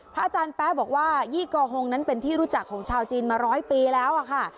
อาจารย์แป๊ะบอกว่ายี่กอฮงนั้นเป็นที่รู้จักของชาวจีนมาร้อยปีแล้วค่ะ